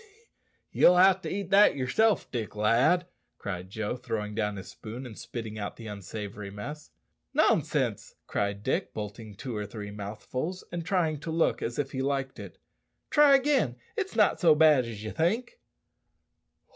"Ye'll ha' to eat it yerself, Dick, lad," cried Joe, throwing down his spoon, and spitting out the unsavoury mess. "Nonsense," cried Dick, bolting two or three mouthfuls, and trying to look as if he liked it. "Try again; it's not so bad as you think."